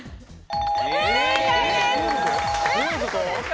正解です。